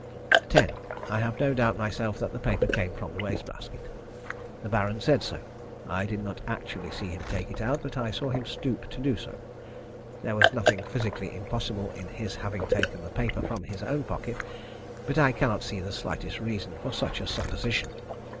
10. I have no doubt myself that the paper came from the waste basket. The Baron said so. I did not actually see him take it out, but I saw him stoop to do so. There was nothing physically impossible in his having taken the paper from his own pocket, but I cannot see the slightest reason for such a supposition.